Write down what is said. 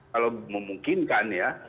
kalau memungkinkan ya